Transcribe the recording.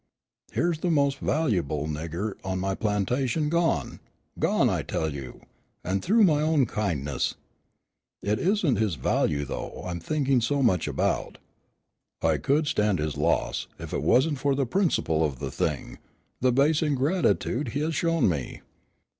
Here's the most valuable nigger on my plantation gone, gone, I tell you, and through my own kindness. It isn't his value, though, I'm thinking so much about. I could stand his loss, if it wasn't for the principle of the thing, the base ingratitude he has shown me.